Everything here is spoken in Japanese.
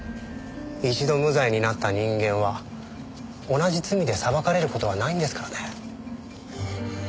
一度無罪になった人間は同じ罪で裁かれる事はないんですからね。